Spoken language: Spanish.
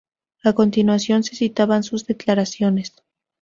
A continuación se citaban sus declaraciones.